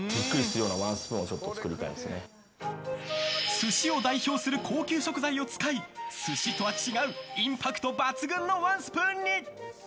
寿司を代表する高級食材を使い寿司とは違うインパクト抜群のワンスプーンに。